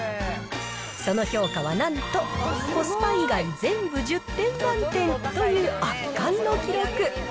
その評価はなんと、コスパ以外全部１０点満点という圧巻の記録。